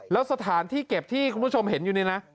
แล้วสถานที่เก็บที่คุณผู้ชมเห็นอยู่นี่นะ